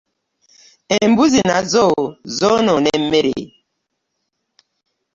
Embizzi nazo zonoona emmere.